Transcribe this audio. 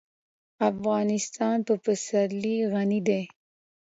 افغانستان په پسرلی غني دی.